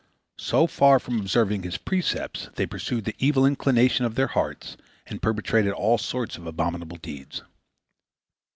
So far from observing his precepts, they pursued the evil inclination of their hearts, and perpetrated all sorts of abominable deeds.